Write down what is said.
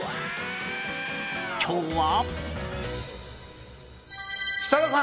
今日は。